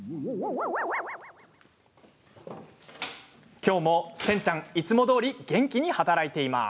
きょうもセンちゃんいつもどおり元気に働いています。